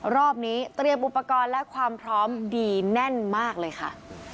รอบนี้เตรียมอุปกรณ์และความพร้อมดีแน่นมากเลยค่ะ